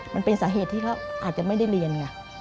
มันเป็นสาเหตุที่เขาอาจจะไม่ได้เรียนไง